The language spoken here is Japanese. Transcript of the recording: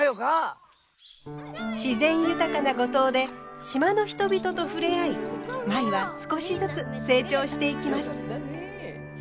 自然豊かな五島で島の人々と触れ合い舞は少しずつ成長していきます。